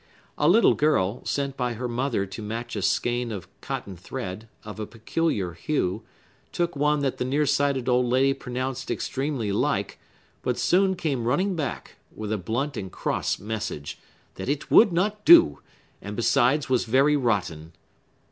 A little girl, sent by her mother to match a skein of cotton thread, of a peculiar hue, took one that the near sighted old lady pronounced extremely like, but soon came running back, with a blunt and cross message, that it would not do, and, besides, was very rotten!